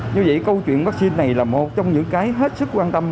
như vậy câu chuyện vaccine này là một trong những cái hết sức quan tâm